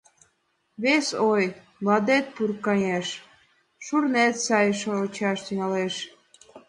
Вес ой: мландет пуркаҥеш, шурнет сай шочаш тӱҥалеш.